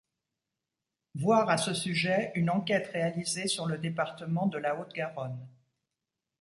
Voir à ce sujet une enquête réalisée sur le département de la Haute Garonne.